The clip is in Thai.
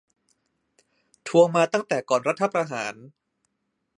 ทวงมาตั้งแต่ก่อนรัฐประหาร